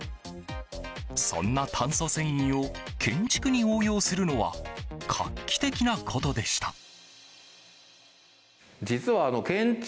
そんな炭素繊維を建築に応用するのは画期的なことでした。